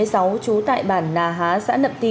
trú tại bản nà há xã nậm ti